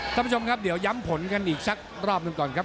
ท่านผู้ชมครับเดี๋ยวย้ำผลกันอีกสักรอบหนึ่งก่อนครับ